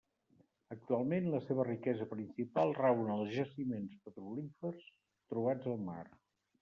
Actualment, la seva riquesa principal rau en els jaciments petrolífers trobats al mar.